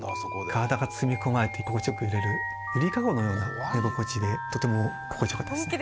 体が包み込まれて心地よく揺れる揺りかごのような寝心地でとても心地よかったですね。